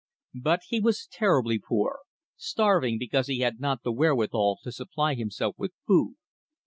But he was terribly poor, starving because he had not the wherewithal to supply himself with food.